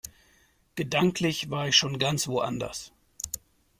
Gedanklich war ich schon ganz woanders.